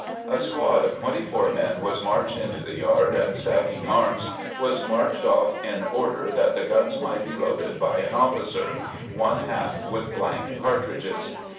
A squad of twenty four men was marched into the yard, and stacking arms, was marched off in order that the guns might be loaded by an officer, one half with blank cartridges.